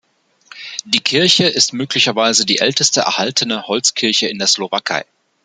Die Kirche ist möglicherweise die älteste erhaltene Holzkirche in der Slowakei.